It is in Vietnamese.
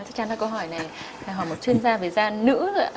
chắc chắn là câu hỏi này là hỏi một chuyên gia về da nữ